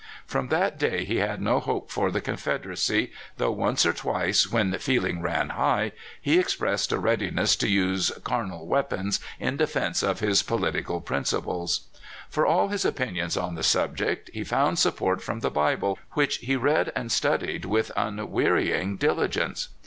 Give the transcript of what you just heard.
From that day he had no hope for the Confederacy, though once or twice, when feeling ran high, he expressed a readiness to use carnal weapons in defense of his political principles. For all his opinions on the subject he found support from the Bible, which he read and studied with unwearying diligence.